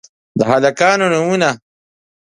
د هلکانو نومونه: